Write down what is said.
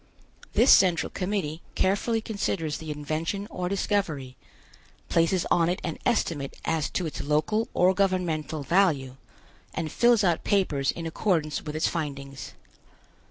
This Central Committee carefully considers the invention or discovery, places on it an estimate as to its local or governmental value, and fills out papers in accordance with its findings.